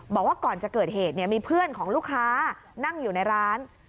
บอกว่าก่อนจะเกิดเหตุมีเพื่อนของลูกค้านั่งอยู่ในร้าน